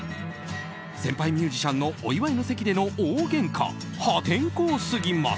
先輩ミュージシャンのお祝いの席での大げんか破天荒すぎます。